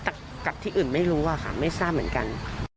แต่กับที่อื่นไม่รู้อะค่ะไม่ทราบเหมือนกัน